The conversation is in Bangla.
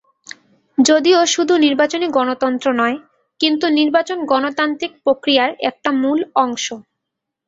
যদিও শুধু নির্বাচনই গণতন্ত্র নয়, কিন্তু নির্বাচন গণতান্ত্রিক প্রক্রিয়ার একটা মূল অংশ।